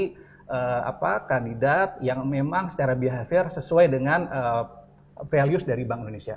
menjadi kandidat yang memang secara behavior sesuai dengan values dari bank indonesia